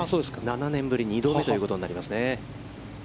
７年ぶり２度目ということになりますね。